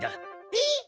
えっ？